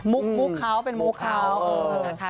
มุกเขาเป็นมุกเขา